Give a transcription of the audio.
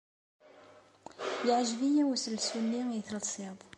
Yeɛjeb-iyi uselsu-nni ay telsid.